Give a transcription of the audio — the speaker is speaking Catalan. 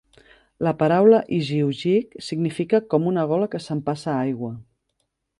La paraula igiugig significa "com una gola que s'empassa aigua".